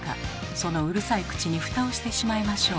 そのうるさい口に蓋をしてしまいましょう。